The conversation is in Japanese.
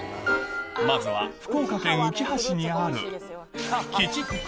まずは福岡県うきは市にあるキチココ